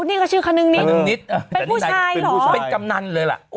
นี่ชื่อขนึงนิดเป็นผู้ชายหรอ